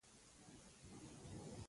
دا لیکدود سم نه دی.